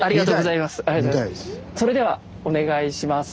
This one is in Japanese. それではお願いします。